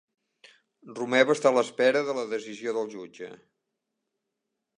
Romeva està a l'espera de la decisió del jutge